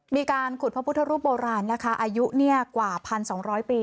มีการขุดพระพุทธรูปโบราณนะคะอายุกว่า๑๒๐๐ปี